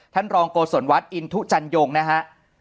ท่านรองโกศลวัดอินทุจันยงนะฮะ